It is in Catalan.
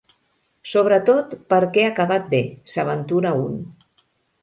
Sobretot perquè ha acabat bé —s'aventura un.